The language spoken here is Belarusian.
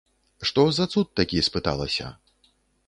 Што за цуд такі, спыталася.